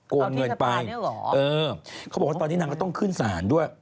ความยืนแน่นไปเออเขาบอกว่าตอนนี้นางก็ต้องขึ้นศาลด้วย